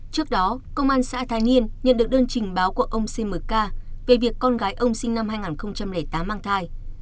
trước đó công an xã thái niên nhận được đơn trình báo của ông cmk về việc con gái ông sinh năm hai nghìn tám mang thai